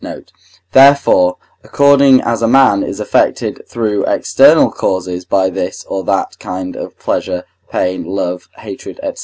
note); therefore, according as a man is affected through external causes by this or that kind of pleasure, pain, love, hatred, &c.